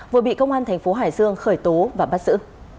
vừa bị công an thành phố hải dương khởi tố và bắt giữ